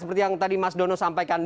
seperti yang tadi mas dono sampaikan